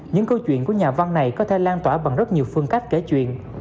những câu chuyện của nhà văn này có thể lan tỏa bằng rất nhiều phương cách kể chuyện